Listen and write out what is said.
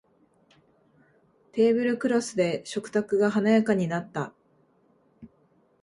テーブルクロスで食卓が華やかになった